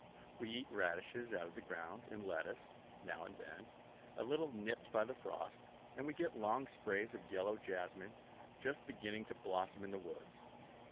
We eat radishes out of the ground, and lettuce, now and then, a little nipped by the frost; and we get long sprays of yellow jessamine, just beginning to blossom in the woods.